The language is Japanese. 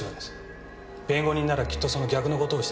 弁護人ならきっとその逆の事をしたでしょう。